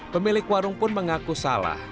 pemilik warung pun mengaku salah